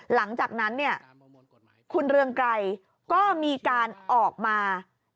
หลังจากนั้นเนี่ยคุณเรืองไกรก็มีการออกมา